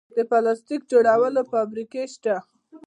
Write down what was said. د پلاستیک جوړولو فابریکې شته